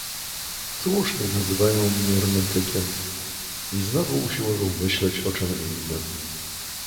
"Słusznie nazywają mnie romantykiem... I znowu usiłował myśleć o czem innem."